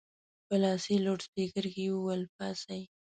په لاسي لوډسپیکر کې یې وویل پاڅئ.